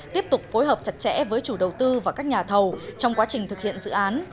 tiếp tục phối hợp chặt chẽ với chủ đầu tư và các nhà thầu trong quá trình thực hiện dự án